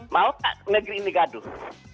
mau tak negeri ini gaduh